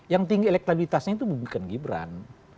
yang tinggi elektabilitasnya itu bukan gibran